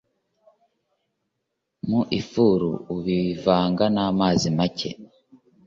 mu ifuru. Ubivanga n’amazi make,